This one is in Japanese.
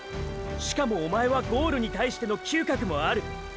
しかもおまえはゴールに対しての嗅覚もある。